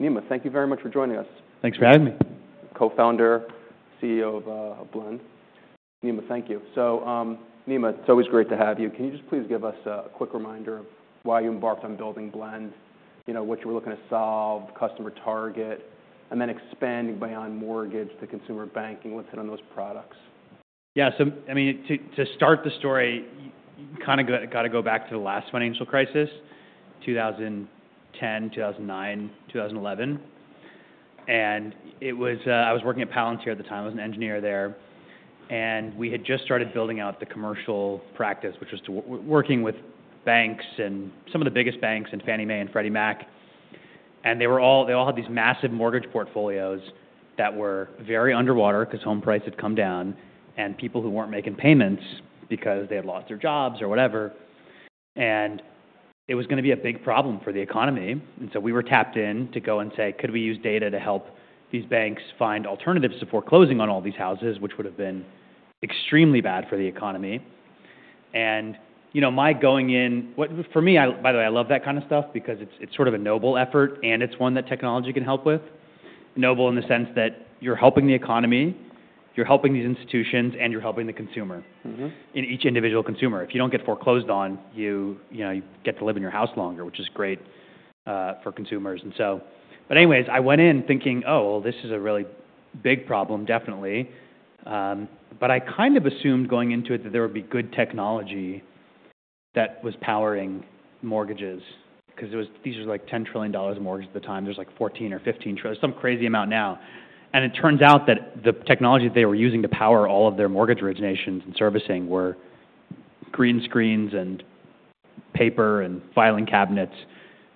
Nima, thank you very much for joining us. Thanks for having me. Co-founder, CEO of Blend. Nima, thank you. So, Nima, it's always great to have you. Can you just please give us a quick reminder of why you embarked on building Blend, what you were looking to solve, customer target, and then expanding beyond mortgage to consumer banking? Let's hit on those products. Yeah, so I mean, to start the story, you kind of got to go back to the last financial crisis, 2010, 2009, 2011, and I was working at Palantir at the time. I was an engineer there, and we had just started building out the commercial practice, which was working with banks and some of the biggest banks and Fannie Mae and Freddie Mac. And they all had these massive mortgage portfolios that were very underwater because home prices had come down and people who weren't making payments because they had lost their jobs or whatever. And it was going to be a big problem for the economy, and so we were tapped in to go and say, could we use data to help these banks find alternatives to foreclosing on all these houses, which would have been extremely bad for the economy? And my going in, for me, by the way, I love that kind of stuff because it's sort of a noble effort and it's one that technology can help with. Noble in the sense that you're helping the economy, you're helping these institutions, and you're helping the consumer, each individual consumer. If you don't get foreclosed on, you get to live in your house longer, which is great for consumers. But anyways, I went in thinking, oh, well, this is a really big problem, definitely. But I kind of assumed going into it that there would be good technology that was powering mortgages because these were like $10 trillion in mortgages at the time. There's like 14 or 15 trillion, some crazy amount now. It turns out that the technology they were using to power all of their mortgage originations and servicing were green screens and paper and filing cabinets,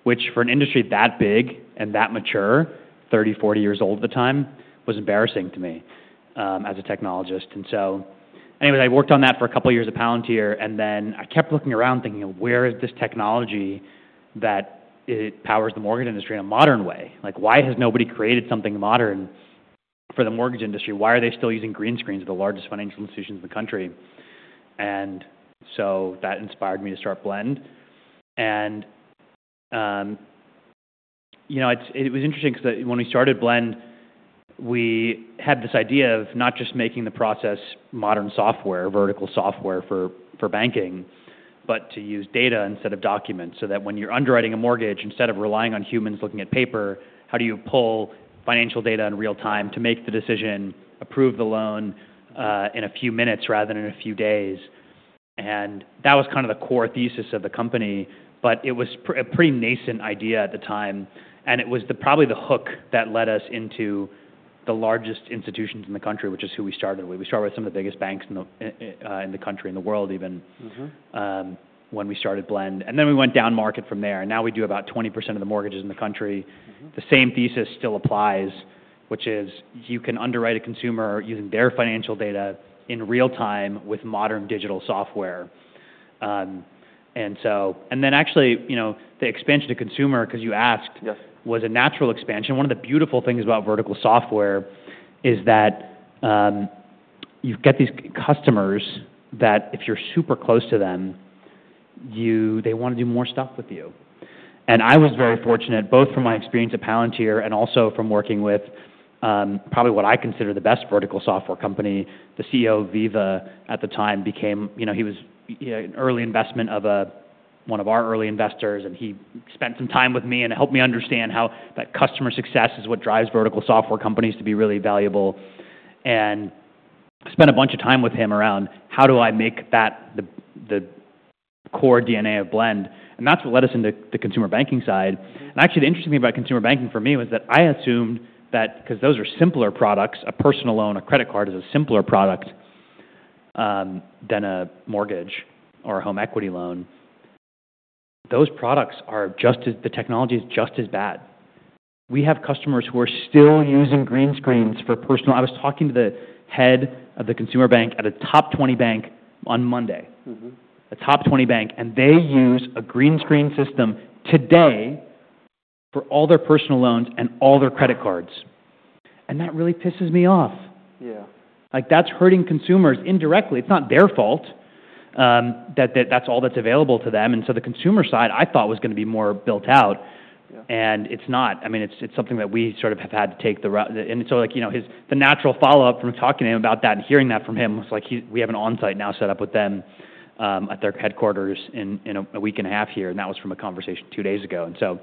which for an industry that big and that mature, 30, 40 years old at the time, was embarrassing to me as a technologist. Anyways, I worked on that for a couple of years at Palantir. I kept looking around thinking, where is this technology that powers the mortgage industry in a modern way? Why has nobody created something modern for the mortgage industry? Why are they still using green screens with the largest financial institutions in the country? That inspired me to start Blend. And it was interesting because when we started Blend, we had this idea of not just making the process modern software, vertical software for banking, but to use data instead of documents so that when you're underwriting a mortgage, instead of relying on humans looking at paper, how do you pull financial data in real time to make the decision, approve the loan in a few minutes rather than in a few days? And that was kind of the core thesis of the company. But it was a pretty nascent idea at the time. And it was probably the hook that led us into the largest institutions in the country, which is who we started with. We started with some of the biggest banks in the country, in the world even, when we started Blend. And then we went down market from there. And now we do about 20% of the mortgages in the country. The same thesis still applies, which is you can underwrite a consumer using their financial data in real time with modern digital software. And then actually, the expansion to consumer, because you asked, was a natural expansion. One of the beautiful things about vertical software is that you get these customers that if you're super close to them, they want to do more stuff with you. And I was very fortunate, both from my experience at Palantir and also from working with probably what I consider the best vertical software company. The CEO of Veeva at the time became an early investment of one of our early investors. And he spent some time with me and helped me understand how that customer success is what drives vertical software companies to be really valuable. I spent a bunch of time with him around how do I make that the core DNA of Blend. That's what led us into the consumer banking side. Actually, the interesting thing about consumer banking for me was that I assumed that because those are simpler products, a personal loan, a credit card is a simpler product than a mortgage or a home equity loan. Those products are just as the technology is just as bad. We have customers who are still using green screens for personal. I was talking to the head of the consumer bank at a top 20 bank on Monday, a top 20 bank. They use a green screen system today for all their personal loans and all their credit cards. That really pisses me off. Yeah, that's hurting consumers indirectly. It's not their fault that that's all that's available to them. And so the consumer side I thought was going to be more built out. And it's not. I mean, it's something that we sort of have had to take the route. And so the natural follow-up from talking to him about that and hearing that from him was like, we have an onsite now set up with them at their headquarters in a week and a half here. And that was from a conversation two days ago. And so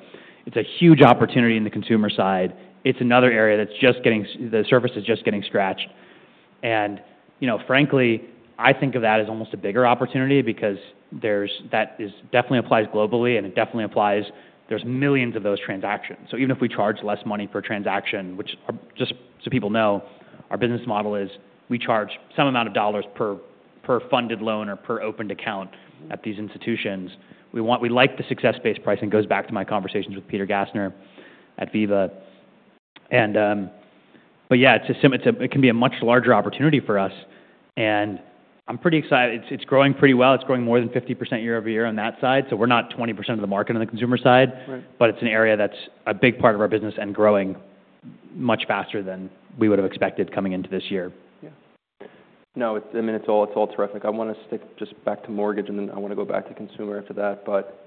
it's a huge opportunity in the consumer side. It's another area that's just getting the surface scratched. And frankly, I think of that as almost a bigger opportunity because that definitely applies globally and it definitely applies. There's millions of those transactions. So even if we charge less money per transaction, which just so people know, our business model is we charge some amount of dollars per funded loan or per opened account at these institutions. We like the success-based pricing goes back to my conversations with Peter Gassner at Veeva. But yeah, it can be a much larger opportunity for us. And I'm pretty excited. It's growing pretty well. It's growing more than 50% year-over-year on that side. So we're not 20% of the market on the consumer side, but it's an area that's a big part of our business and growing much faster than we would have expected coming into this year. Yeah. No, I mean, it's all terrific. I want to stick just back to mortgage and then I want to go back to consumer after that. But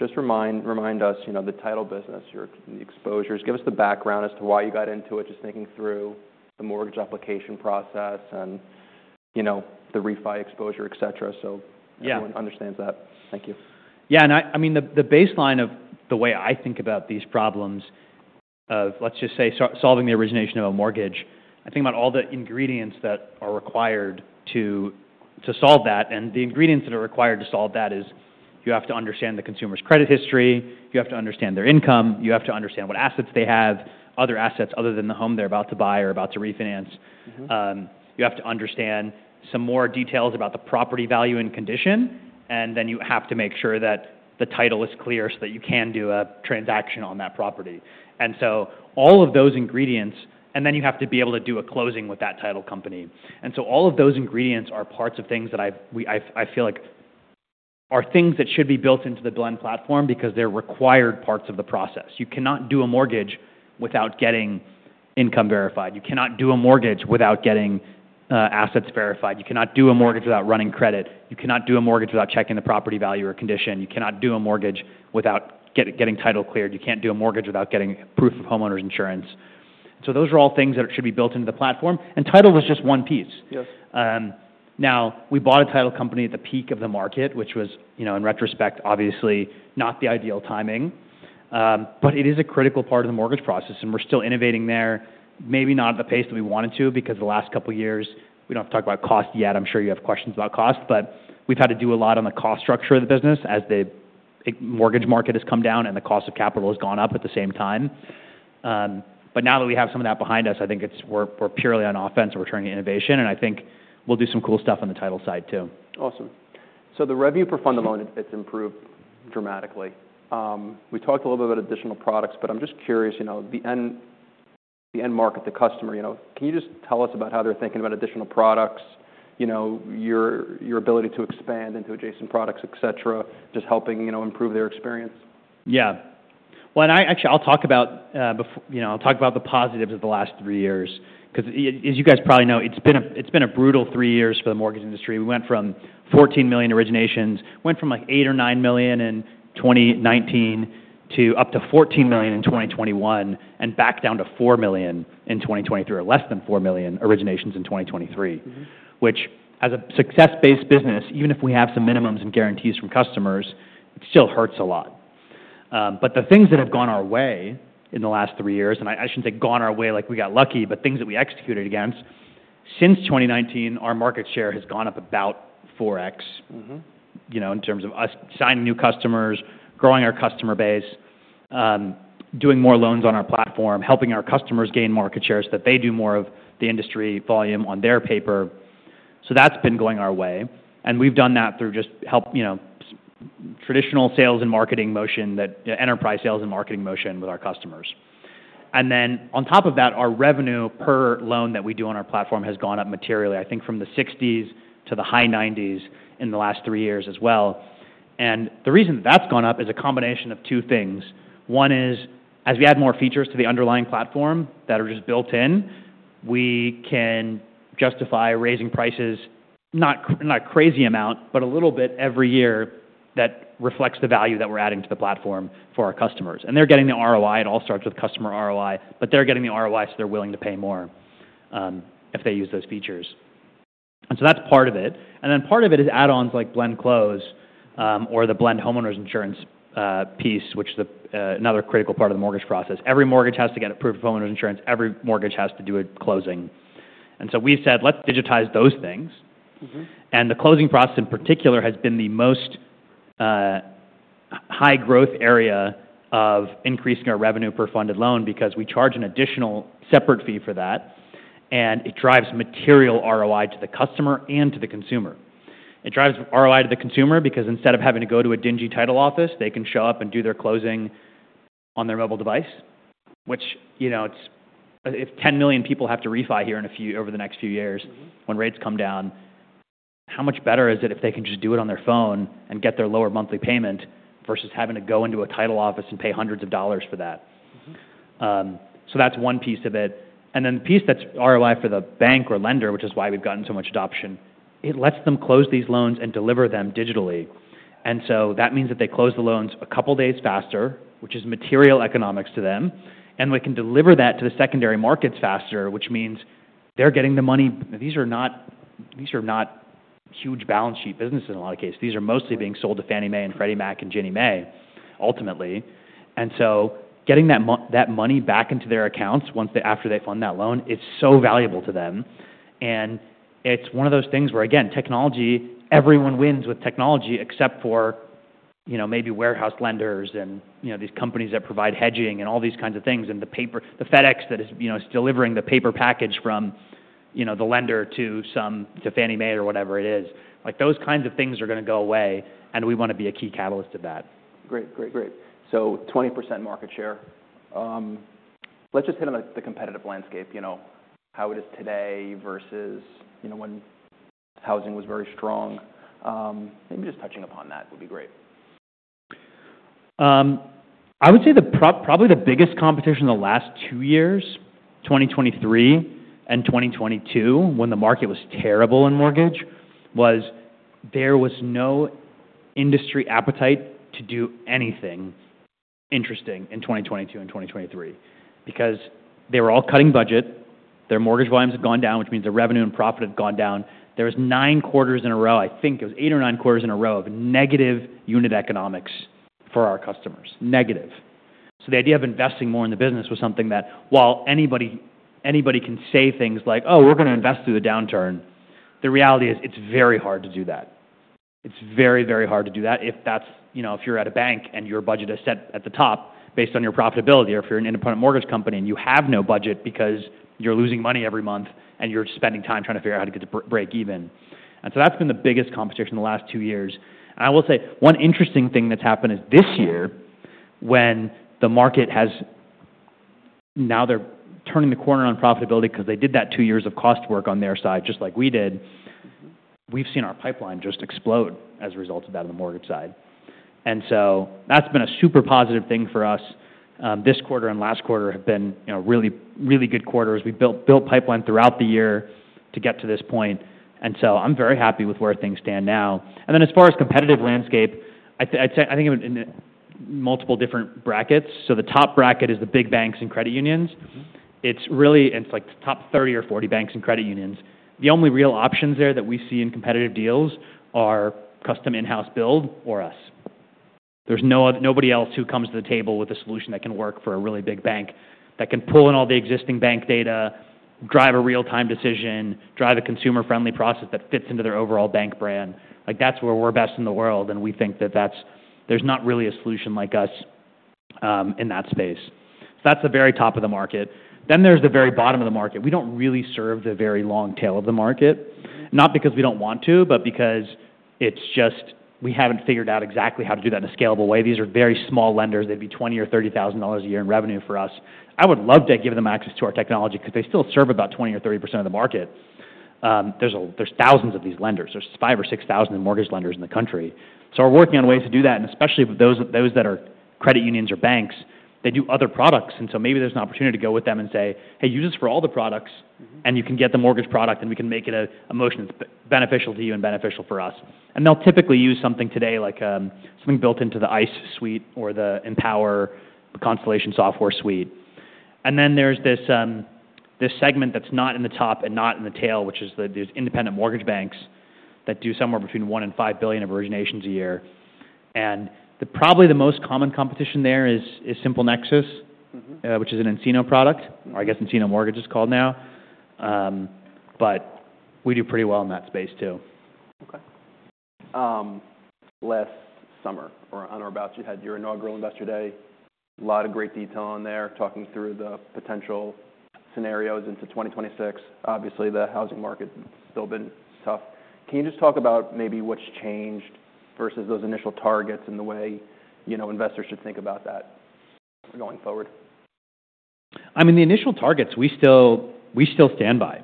just remind us the title business, your exposures. Give us the background as to why you got into it, just thinking through the mortgage application process and the refi exposure, et cetera, so everyone understands that. Thank you. Yeah, and I mean, the baseline of the way I think about these problems of, let's just say, solving the origination of a mortgage. I think about all the ingredients that are required to solve that. And the ingredients that are required to solve that is you have to understand the consumer's credit history. You have to understand their income. You have to understand what assets they have, other assets other than the home they're about to buy or about to refinance. You have to understand some more details about the property value and condition, and then you have to make sure that the title is clear so that you can do a transaction on that property. And so all of those ingredients, and then you have to be able to do a closing with that title company. All of those ingredients are parts of things that I feel like are things that should be built into the Blend platform because they're required parts of the process. You cannot do a mortgage without getting income verified. You cannot do a mortgage without getting assets verified. You cannot do a mortgage without running credit. You cannot do a mortgage without checking the property value or condition. You cannot do a mortgage without getting title cleared. You can't do a mortgage without getting proof of homeowner's insurance. So those are all things that should be built into the platform. And title was just one piece. Now, we bought a title company at the peak of the market, which was, in retrospect, obviously not the ideal timing. But it is a critical part of the mortgage process. And we're still innovating there, maybe not at the pace that we wanted to because the last couple of years, we don't have to talk about cost yet. I'm sure you have questions about cost, but we've had to do a lot on the cost structure of the business as the mortgage market has come down and the cost of capital has gone up at the same time. But now that we have some of that behind us, I think we're purely on offense and we're turning to innovation. And I think we'll do some cool stuff on the title side too. Awesome. So the revenue per fundamental, it's improved dramatically. We talked a little bit about additional products, but I'm just curious, the end market, the customer, can you just tell us about how they're thinking about additional products, your ability to expand into adjacent products, et cetera, just helping improve their experience? Yeah. Well, actually, I'll talk about the positives of the last three years because, as you guys probably know, it's been a brutal three years for the mortgage industry. We went from 14 million originations, went from like eight or nine million in 2019 to up to 14 million in 2021 and back down to four million in 2023 or less than four million originations in 2023, which as a success-based business, even if we have some minimums and guarantees from customers, it still hurts a lot. The things that have gone our way in the last three years, and I shouldn't say gone our way like we got lucky, but things that we executed against, since 2019, our market share has gone up about 4x in terms of us signing new customers, growing our customer base, doing more loans on our platform, helping our customers gain market share so that they do more of the industry volume on the platform, so that's been going our way, and we've done that through just traditional sales and marketing motion, that enterprise sales and marketing motion with our customers, and then on top of that, our revenue per loan that we do on our platform has gone up materially, I think from the $60s to the high $90s in the last three years as well, and the reason that's gone up is a combination of two things. One is, as we add more features to the underlying platform that are just built in, we can justify raising prices, not a crazy amount, but a little bit every year that reflects the value that we're adding to the platform for our customers. And they're getting the ROI. It all starts with customer ROI, but they're getting the ROI so they're willing to pay more if they use those features. And so that's part of it. And then part of it is add-ons like Blend Close or the Blend Homeowners Insurance piece, which is another critical part of the mortgage process. Every mortgage has to get approved for homeowner's insurance. Every mortgage has to do a closing. And so we've said, let's digitize those things. The closing process in particular has been the most high growth area of increasing our revenue per funded loan because we charge an additional separate fee for that. It drives material ROI to the customer and to the consumer. It drives ROI to the consumer because instead of having to go to a dingy title office, they can show up and do their closing on their mobile device, which if 10 million people have to refi here over the next few years when rates come down, how much better is it if they can just do it on their phone and get their lower monthly payment versus having to go into a title office and pay hundreds of dollars for that? That's one piece of it. And then the piece that's ROI for the bank or lender, which is why we've gotten so much adoption. It lets them close these loans and deliver them digitally. And so that means that they close the loans a couple of days faster, which is material economics to them. And we can deliver that to the secondary markets faster, which means they're getting the money. These are not huge balance sheet businesses in a lot of cases. These are mostly being sold to Fannie Mae and Freddie Mac and Ginnie Mae ultimately. And so getting that money back into their accounts after they fund that loan is so valuable to them. It's one of those things where, again, technology, everyone wins with technology except for maybe warehouse lenders and these companies that provide hedging and all these kinds of things and the FedEx that is delivering the paper package from the lender to Fannie Mae or whatever it is. Those kinds of things are going to go away. We want to be a key catalyst of that. Great, great, great. So 20% market share. Let's just hit on the competitive landscape, how it is today versus when housing was very strong. Maybe just touching upon that would be great. I would say probably the biggest competition in the last two years, 2023 and 2022, when the market was terrible in mortgage, was, there was no industry appetite to do anything interesting in 2022 and 2023 because they were all cutting budget. Their mortgage volumes have gone down, which means their revenue and profit have gone down. There was nine quarters in a row, I think it was eight or nine quarters in a row of negative unit economics for our customers, negative. So the idea of investing more in the business was something that while anybody can say things like, "Oh, we're going to invest through the downturn," the reality is it's very hard to do that. It's very, very hard to do that. If you're at a bank and your budget is set at the top based on your profitability or if you're an independent mortgage company and you have no budget because you're losing money every month and you're spending time trying to figure out how to get to break even. And so that's been the biggest competition in the last two years. And I will say one interesting thing that's happened is this year when the market has now, they're turning the corner on profitability because they did that two years of cost work on their side, just like we did. We've seen our pipeline just explode as a result of that on the mortgage side. And so that's been a super positive thing for us. This quarter and last quarter have been really, really good quarters. We built pipeline throughout the year to get to this point. And so I'm very happy with where things stand now. And then as far as competitive landscape, I think in multiple different brackets. So the top bracket is the big banks and credit unions. It's really like the top 30 or 40 banks and credit unions. The only real options there that we see in competitive deals are custom in-house build or us. There's nobody else who comes to the table with a solution that can work for a really big bank that can pull in all the existing bank data, drive a real-time decision, drive a consumer-friendly process that fits into their overall bank brand. That's where we're best in the world. And we think that there's not really a solution like us in that space. So that's the very top of the market. Then there's the very bottom of the market. We don't really serve the very long tail of the market, not because we don't want to, but because we haven't figured out exactly how to do that in a scalable way. These are very small lenders. They'd be $20,000 or $30,000 a year in revenue for us. I would love to give them access to our technology because they still serve about 20%-30% of the market. There's thousands of these lenders. There's five or six thousand mortgage lenders in the country. So we're working on ways to do that, and especially those that are credit unions or banks, they do other products. And so maybe there's an opportunity to go with them and say, "Hey, use this for all the products and you can get the mortgage product and we can make it a motion that's beneficial to you and beneficial for us." And they'll typically use something today like something built into the ICE suite or the Empower Constellation software suite. And then there's this segment that's not in the top and not in the tail, which is these independent mortgage banks that do somewhere between one and five billion of originations a year. And probably the most common competition there is SimpleNexus, which is an nCino product, or I guess nCino Mortgage is called now. But we do pretty well in that space too. Okay. Last summer, around our Investor Day, you had your inaugural Investor Day. A lot of great detail on there, talking through the potential scenarios into 2026. Obviously, the housing market has still been tough. Can you just talk about maybe what's changed versus those initial targets and the way investors should think about that going forward? I mean, the initial targets, we still stand by.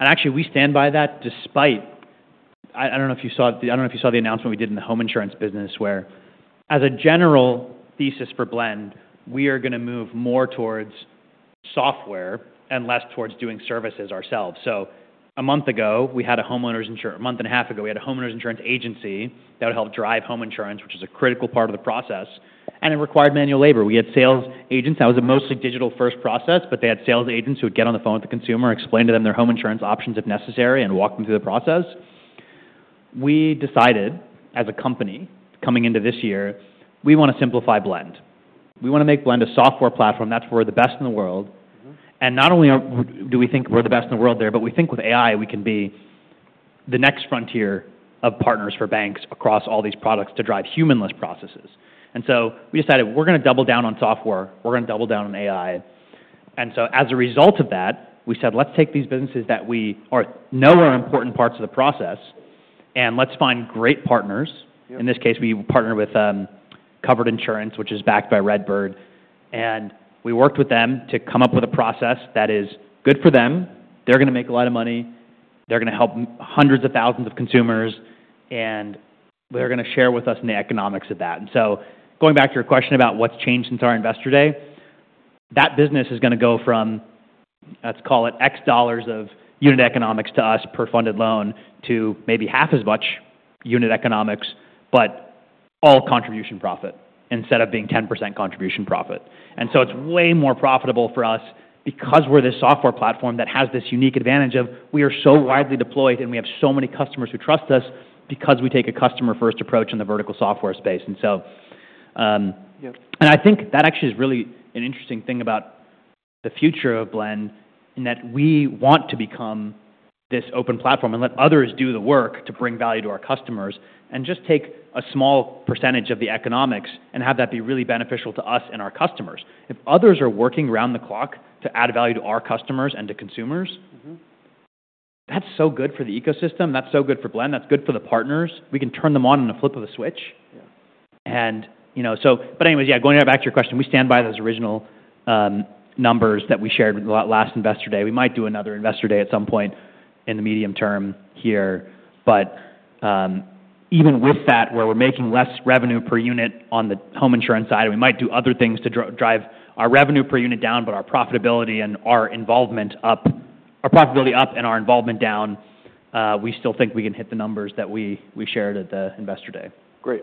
Actually, we stand by that despite I don't know if you saw the announcement we did in the home insurance business where, as a general thesis for Blend, we are going to move more towards software and less towards doing services ourselves. So a month ago, a month and a half ago, we had a homeowner's insurance agency that would help drive home insurance, which is a critical part of the process. And it required manual labor. We had sales agents. That was a mostly digital-first process, but they had sales agents who would get on the phone with the consumer, explain to them their home insurance options if necessary, and walk them through the process. We decided as a company coming into this year, we want to simplify Blend. We want to make Blend a software platform. That's where we're the best in the world, and not only do we think we're the best in the world there, but we think with AI, we can be the next frontier of partners for banks across all these products to drive humanless processes, and so we decided we're going to double down on software. We're going to double down on AI, and so as a result of that, we said, "Let's take these businesses that we know are important parts of the process and let's find great partners." In this case, we partnered with Covered Insurance, which is backed by RedBird, and we worked with them to come up with a process that is good for them. They're going to make a lot of money. They're going to help hundreds of thousands of consumers, and they're going to share with us in the economics of that. And so, going back to your question about what's changed since our investor day, that business is going to go from, let's call it X dollars of unit economics to us per funded loan to maybe half as much unit economics, but all contribution profit instead of being 10% contribution profit. And so it's way more profitable for us because we're this software platform that has this unique advantage of we are so widely deployed and we have so many customers who trust us because we take a customer-first approach in the vertical software space. I think that actually is really an interesting thing about the future of Blend in that we want to become this open platform and let others do the work to bring value to our customers and just take a small percentage of the economics and have that be really beneficial to us and our customers. If others are working around the clock to add value to our customers and to consumers, that's so good for the ecosystem. That's so good for Blend. That's good for the partners. We can turn them on in a flip of a switch. Anyways, yeah, going right back to your question, we stand by those original numbers that we shared last investor day. We might do another investor day at some point in the medium term here. But even with that, where we're making less revenue per unit on the home insurance side, and we might do other things to drive our revenue per unit down, but our profitability and our involvement up, our profitability up and our involvement down, we still think we can hit the numbers that we shared at the investor day. Great.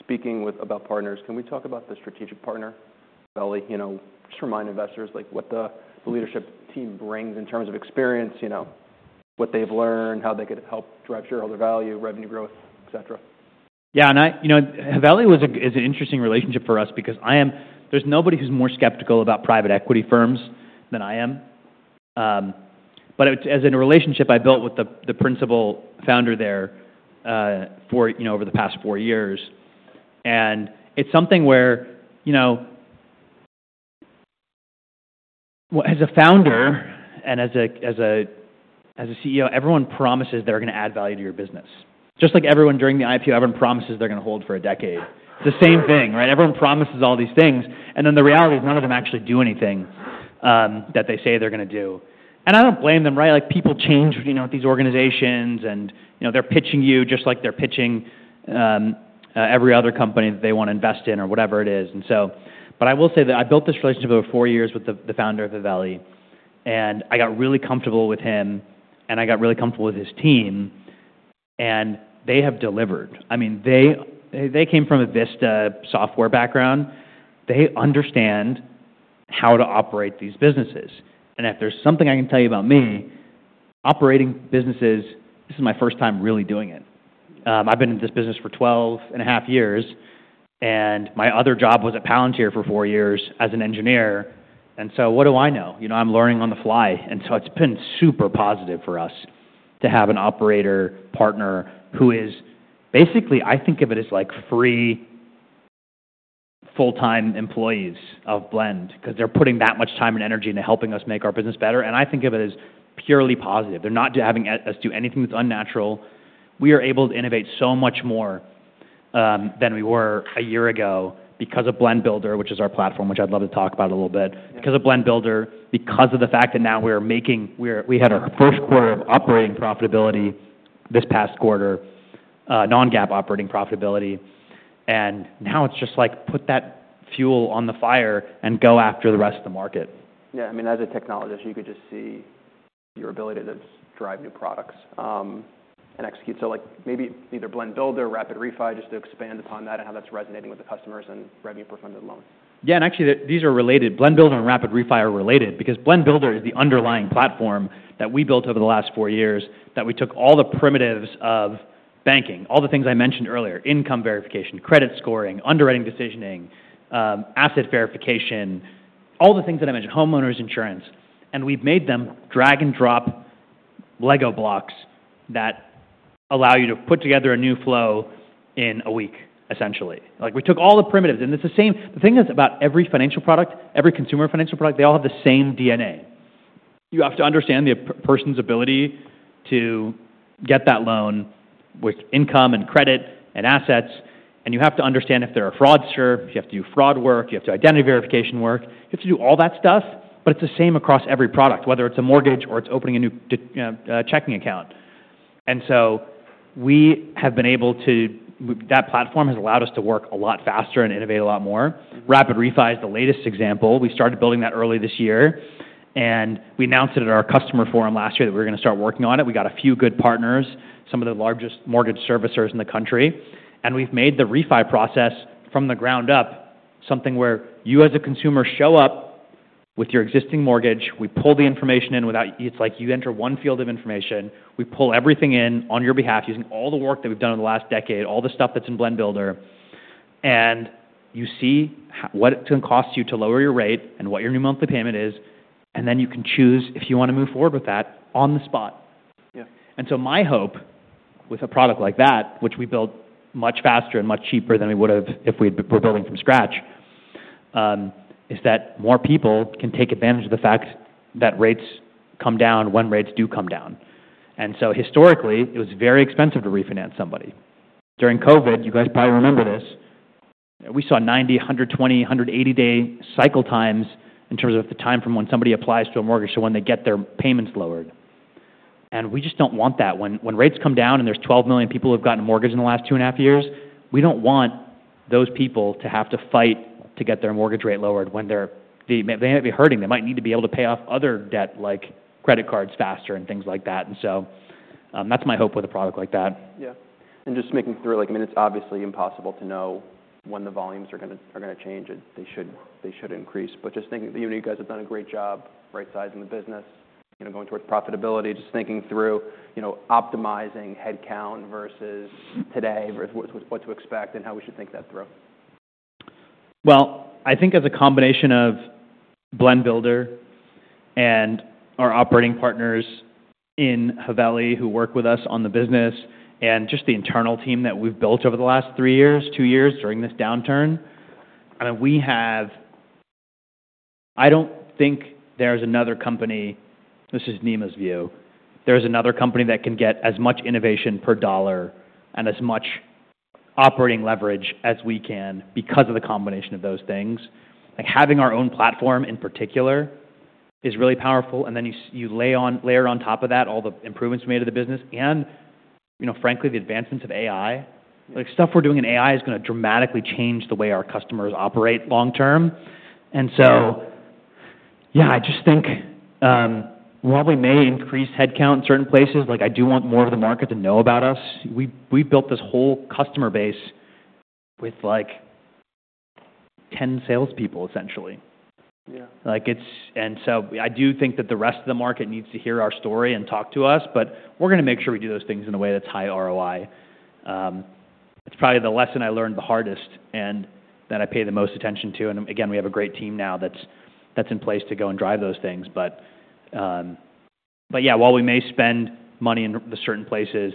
Speaking about partners, can we talk about the strategic partner, Haveli, just remind investors what the leadership team brings in terms of experience, what they've learned, how they could help drive shareholder value, revenue growth, etc.? Yeah. Haveli is an interesting relationship for us because there's nobody who's more skeptical about private equity firms than I am. But it's a relationship I built with the principal founder there over the past four years. It's something where as a founder and as a CEO, everyone promises they're going to add value to your business. Just like everyone during the IPO, everyone promises they're going to hold for a decade. It's the same thing, right? Everyone promises all these things. Then the reality is none of them actually do anything that they say they're going to do. I don't blame them, right? People change with these organizations, and they're pitching you just like they're pitching every other company that they want to invest in or whatever it is. But I will say that I built this relationship over four years with the founder of Haveli, and I got really comfortable with him, and I got really comfortable with his team, and they have delivered. I mean, they came from a Vista software background. They understand how to operate these businesses. And if there's something I can tell you about me, operating businesses, this is my first time really doing it. I've been in this business for 12 and a half years, and my other job was at Palantir for four years as an engineer. And so what do I know? I'm learning on the fly. And so it's been super positive for us to have an operator partner who is basically, I think of it as like free full-time employees of Blend because they're putting that much time and energy into helping us make our business better. I think of it as purely positive. They're not having us do anything that's unnatural. We are able to innovate so much more than we were a year ago because of Blend Builder, which is our platform, which I'd love to talk about a little bit. Because of Blend Builder, because of the fact that now we had our first quarter of operating profitability this past quarter, non-GAAP operating profitability. Now it's just like put that fuel on the fire and go after the rest of the market. Yeah. I mean, as a technologist, you could just see your ability to drive new products and execute. So maybe either Blend Builder, Rapid Refi, just to expand upon that and how that's resonating with the customers and revenue per funded loan. Yeah. And actually, these are related. Blend Builder and Rapid Refi are related because Blend Builder is the underlying platform that we built over the last four years that we took all the primitives of banking, all the things I mentioned earlier, income verification, credit scoring, underwriting decisioning, asset verification, all the things that I mentioned, homeowner's insurance. And we've made them drag-and-drop Lego blocks that allow you to put together a new flow in a week, essentially. We took all the primitives. And the thing is about every financial product, every consumer financial product, they all have the same DNA. You have to understand the person's ability to get that loan with income and credit and assets. And you have to understand if they're a fraudster. You have to do fraud work. You have to do identity verification work. You have to do all that stuff. But it's the same across every product, whether it's a mortgage or it's opening a new checking account. And so we have been able to, that platform has allowed us to work a lot faster and innovate a lot more. Rapid Refi is the latest example. We started building that early this year. And we announced it at our customer forum last year that we were going to start working on it. We got a few good partners, some of the largest mortgage servicers in the country. And we've made the Refi process from the ground up something where you as a consumer show up with your existing mortgage. We pull the information in without, it's like you enter one field of information. We pull everything in on your behalf using all the work that we've done in the last decade, all the stuff that's in Blend Builder. And you see what it can cost you to lower your rate and what your new monthly payment is. And then you can choose if you want to move forward with that on the spot. And so my hope with a product like that, which we built much faster and much cheaper than we would have if we were building from scratch, is that more people can take advantage of the fact that rates come down when rates do come down. And so historically, it was very expensive to refinance somebody. During COVID, you guys probably remember this, we saw 90, 120, 180-day cycle times in terms of the time from when somebody applies to a mortgage to when they get their payments lowered. And we just don't want that. When rates come down and there's 12 million people who have gotten a mortgage in the last two and a half years, we don't want those people to have to fight to get their mortgage rate lowered when they might be hurting. They might need to be able to pay off other debt like credit cards faster and things like that, and so that's my hope with a product like that. Yeah, and just making it through, I mean, it's obviously impossible to know when the volumes are going to change. They should increase, but just thinking that you guys have done a great job right-sizing the business, going towards profitability, just thinking through optimizing headcount versus today, what to expect and how we should think that through. I think as a combination of Blend Builder and our operating partners in Haveli who work with us on the business and just the internal team that we've built over the last three years, two years during this downturn, I mean, I don't think there's another company. This is Nima's view. There's another company that can get as much innovation per dollar and as much operating leverage as we can because of the combination of those things. Having our own platform in particular is really powerful. And then you layer on top of that all the improvements we made to the business and, frankly, the advancements of AI. Stuff we're doing in AI is going to dramatically change the way our customers operate long-term. And so, yeah, I just think while we may increase headcount in certain places, I do want more of the market to know about us. We've built this whole customer base with 10 salespeople, essentially. And so I do think that the rest of the market needs to hear our story and talk to us, but we're going to make sure we do those things in a way that's high ROI. It's probably the lesson I learned the hardest and that I pay the most attention to. And again, we have a great team now that's in place to go and drive those things. But yeah, while we may spend money in certain places,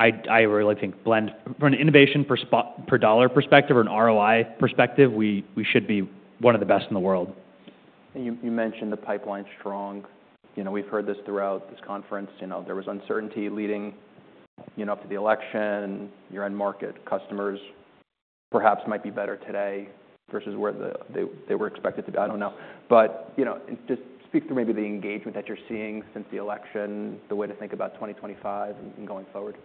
I really think from an innovation per dollar perspective or an ROI perspective, we should be one of the best in the world. And you mentioned the pipeline's strong. We've heard this throughout this conference. There was uncertainty leading up to the election. Your end market customers perhaps might be better today versus where they were expected to be. I don't know. But just speak through maybe the engagement that you're seeing since the election, the way to think about 2025 and going forward.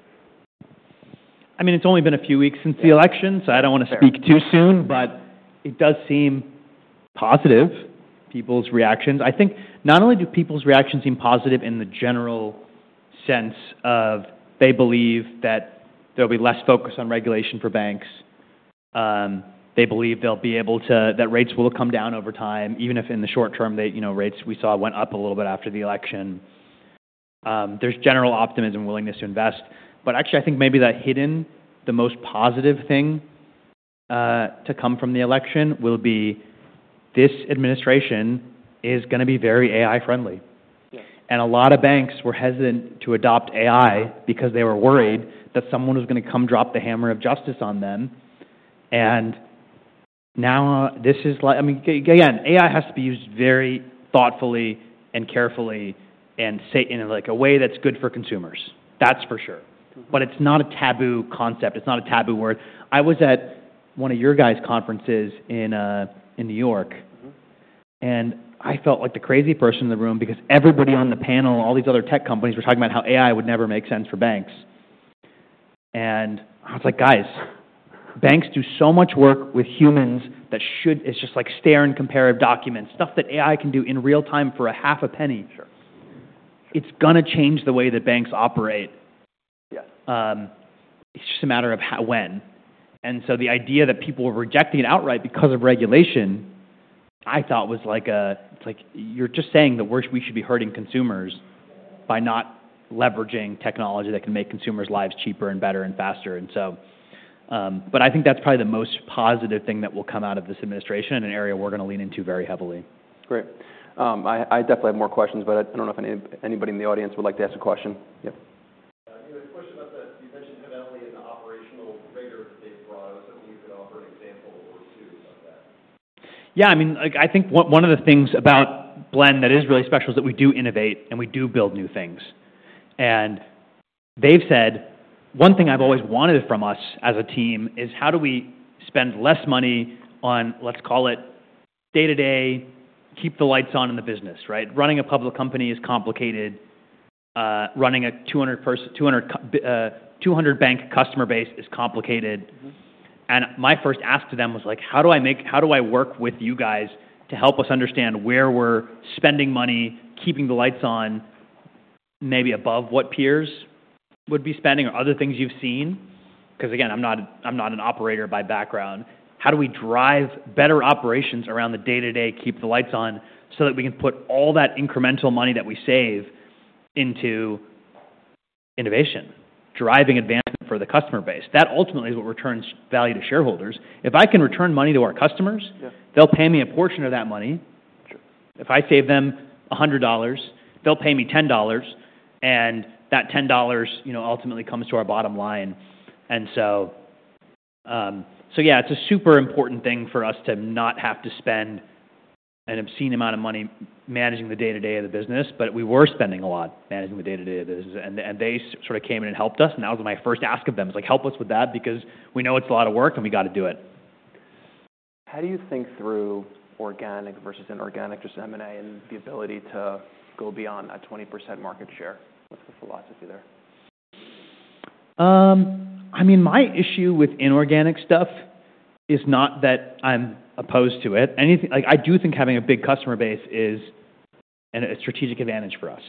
I mean, it's only been a few weeks since the election, so I don't want to speak too soon, but it does seem positive: people's reactions. I think not only do people's reactions seem positive in the general sense that they believe that there'll be less focus on regulation for banks. They believe they'll be able to, that rates will come down over time, even if in the short term rates we saw went up a little bit after the election. There's general optimism, willingness to invest, but actually, I think maybe the hidden, the most positive thing to come from the election will be this administration is going to be very AI-friendly, and a lot of banks were hesitant to adopt AI because they were worried that someone was going to come drop the hammer of justice on them. And now this is like, I mean, again, AI has to be used very thoughtfully and carefully and in a way that's good for consumers. That's for sure. But it's not a taboo concept. It's not a taboo word. I was at one of your guys' conferences in New York, and I felt like the crazy person in the room because everybody on the panel, all these other tech companies were talking about how AI would never make sense for banks. And I was like, "Guys, banks do so much work with humans that should just like stare and compare documents, stuff that AI can do in real time for $0.005. It's going to change the way that banks operate. It's just a matter of when," and so the idea that people were rejecting it outright because of regulation, I thought was like, "You're just saying that we should be hurting consumers by not leveraging technology that can make consumers' lives cheaper and better and faster." But I think that's probably the most positive thing that will come out of this administration in an area we're going to lean into very heavily. Great. I definitely have more questions, but I don't know if anybody in the audience would like to ask a question. Yep. Nima, question about that. You mentioned Haveli and the operational rigor that they brought. I was hoping you could offer an example or two of that. Yeah. I mean, I think one of the things about Blend that is really special is that we do innovate and we do build new things. And they've said, "One thing I've always wanted from us as a team is how do we spend less money on, let's call it day-to-day, keep the lights on in the business, right? Running a public company is complicated. Running a 200 bank customer base is complicated." And my first ask to them was like, "How do I work with you guys to help us understand where we're spending money, keeping the lights on, maybe above what peers would be spending or other things you've seen?" Because again, I'm not an operator by background. How do we drive better operations around the day-to-day, keep the lights on so that we can put all that incremental money that we save into innovation, driving advancement for the customer base? That ultimately is what returns value to shareholders. If I can return money to our customers, they'll pay me a portion of that money. If I save them $100, they'll pay me $10. And that $10 ultimately comes to our bottom line. And so yeah, it's a super important thing for us to not have to spend an obscene amount of money managing the day-to-day of the business, but we were spending a lot managing the day-to-day of the business. And they sort of came in and helped us. And that was my first ask of them. It's like, "Help us with that because we know it's a lot of work and we got to do it. How do you think through organic versus inorganic just M&A and the ability to go beyond a 20% market share? What's the philosophy there? I mean, my issue with inorganic stuff is not that I'm opposed to it. I do think having a big customer base is a strategic advantage for us.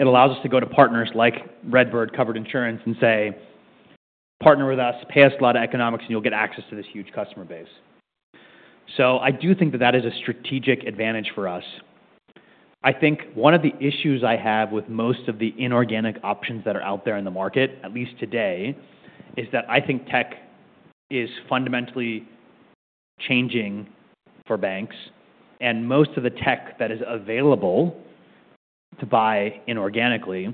It allows us to go to partners like RedBird Covered Insurance and say, "Partner with us, pay us a lot of economics, and you'll get access to this huge customer base." So I do think that that is a strategic advantage for us. I think one of the issues I have with most of the inorganic options that are out there in the market, at least today, is that I think tech is fundamentally changing for banks. And most of the tech that is available to buy inorganically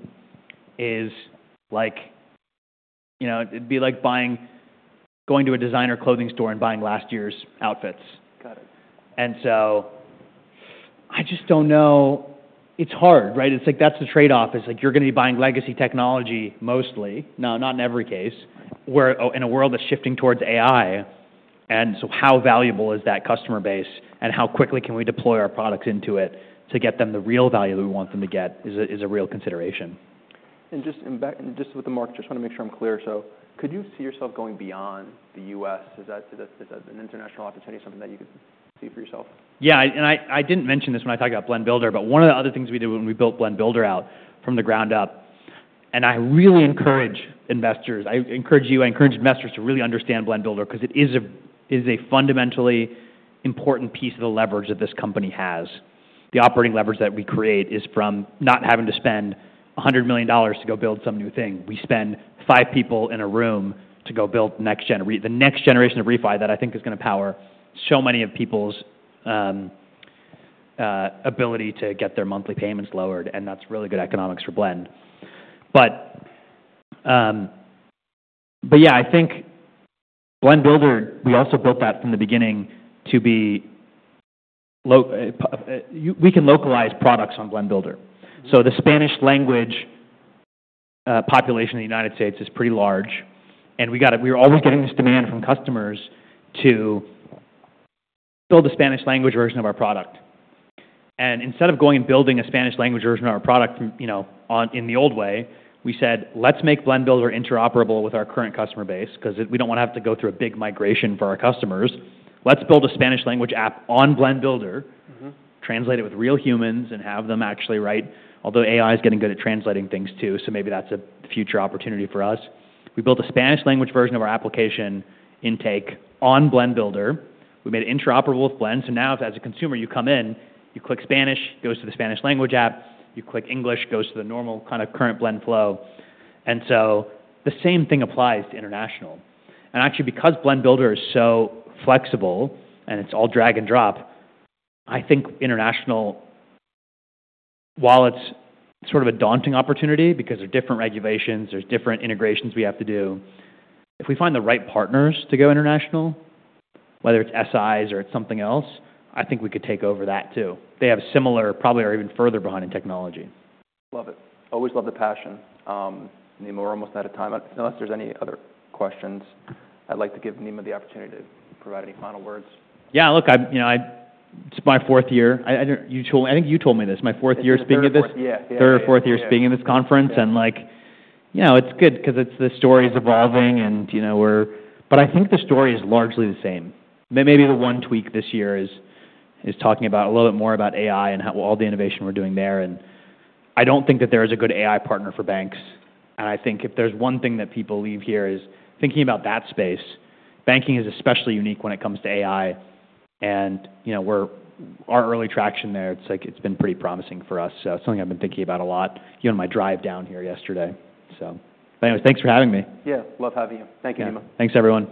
is like it'd be like going to a designer clothing store and buying last year's outfits. And so I just don't know. It's hard, right? It's like that's the trade-off. It's like you're going to be buying legacy technology mostly, not in every case, in a world that's shifting towards AI. And so how valuable is that customer base and how quickly can we deploy our products into it to get them the real value that we want them to get is a real consideration. And just with the market, just want to make sure I'm clear. So could you see yourself going beyond the U.S.? Is that an international opportunity, something that you could see for yourself? Yeah, and I didn't mention this when I talked about Blend Builder, but one of the other things we did when we built Blend Builder out from the ground up, and I really encourage investors. I encourage you. I encourage investors to really understand Blend Builder because it is a fundamentally important piece of the leverage that this company has. The operating leverage that we create is from not having to spend $100 million to go build some new thing. We spend five people in a room to go build the next generation of Refi that I think is going to power so many of people's ability to get their monthly payments lowered, and that's really good economics for Blend. Yeah, I think Blend Builder, we also built that from the beginning to be we can localize products on Blend Builder. The Spanish-language population in the United States is pretty large. We were always getting this demand from customers to build a Spanish-language version of our product. Instead of going and building a Spanish-language version of our product in the old way, we said, "Let's make Blend Builder interoperable with our current customer base because we don't want to have to go through a big migration for our customers. Let's build a Spanish-language app on Blend Builder, translate it with real humans, and have them actually write." Although AI is getting good at translating things too, so maybe that's a future opportunity for us. We built a Spanish-language version of our application intake on Blend Builder. We made it interoperable with Blend. Now as a consumer, you come in, you click Spanish, goes to the Spanish-language app. You click English, goes to the normal kind of current Blend flow. And so the same thing applies to international. And actually, because Blend Builder is so flexible and it's all drag and drop, I think international, while it's sort of a daunting opportunity because there are different regulations, there's different integrations we have to do, if we find the right partners to go international, whether it's SIs or it's something else, I think we could take over that too. They have similar probably are even further behind in technology. Love it. Always love the passion. Nima, we're almost out of time. Unless there's any other questions, I'd like to give Nima the opportunity to provide any final words. Yeah. Look, it's my fourth year. I think you told me this. My fourth year speaking at this. Yeah. Yeah. Third or fourth year speaking at this conference. And it's good because the story is evolving and we're but I think the story is largely the same. Maybe the one tweak this year is talking about a little bit more about AI and all the innovation we're doing there. And I don't think that there is a good AI partner for banks. And I think if there's one thing that people leave here is thinking about that space. Banking is especially unique when it comes to AI. And our early traction there, it's been pretty promising for us. So it's something I've been thinking about a lot in my drive down here yesterday. So anyways, thanks for having me. Yeah. Love having you. Thank you, Nima. Thanks, everyone.